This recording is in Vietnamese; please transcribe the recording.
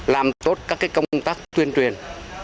làm tốt các công tác tuyên truyền